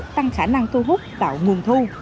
tăng khả năng thu hút tạo nguồn thu